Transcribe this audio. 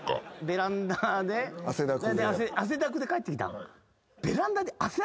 ベランダで汗だくで帰ってきた？